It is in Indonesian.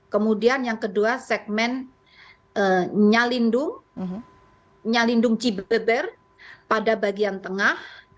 kemudian yang kedua segmen nyalindung nyalindung cibeber pada bagian tengah